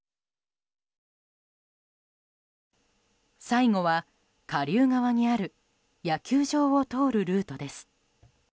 最後は下流側にある野球場を通るルートです。